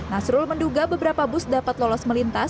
nasrul menduga beberapa bus dapat lolos melintas